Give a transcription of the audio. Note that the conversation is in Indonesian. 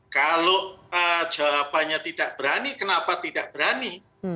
kalau jawabannya tidak berani kenapa tidak berani